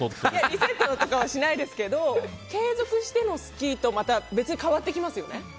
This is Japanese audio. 異性とかはしないですけど継続しての好きと別に変わってきますよね。